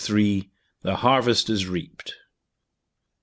THE HARVEST IS REAPED.